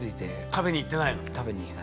食べに行かない。